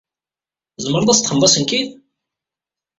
Tzemreḍ ad as-d-txedmeḍ asenkid?